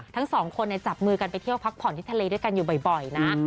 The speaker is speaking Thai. ทั้งสองคนจับมือกันไปเที่ยวพักผ่อนที่ทะเลด้วยกันอยู่บ่อยนะ